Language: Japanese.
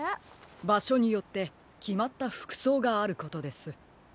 ばしょによってきまったふくそうがあることです。